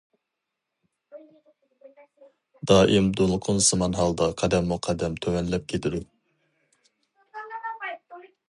دائىم دولقۇنسىمان ھالدا قەدەممۇ قەدەم تۆۋەنلەپ كېتىدۇ.